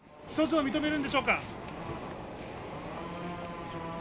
起訴状を認めるんでしょうか。